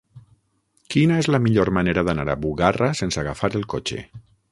Quina és la millor manera d'anar a Bugarra sense agafar el cotxe?